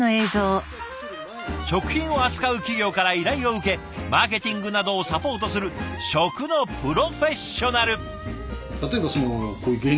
食品を扱う企業から依頼を受けマーケティングなどをサポートする食のプロフェッショナル。